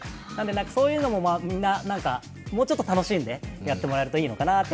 そういうのもみんな、もうちょっと楽しんでやってもらえるといいのかなって。